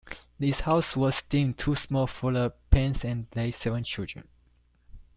This house was deemed too small for the Paines and their seven children.